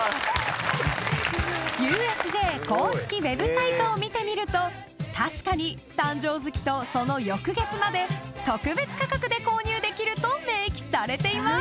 ［ＵＳＪ公式ウェブサイトを見てみると確かに誕生月とその翌月まで特別価格で購入できると明記されています］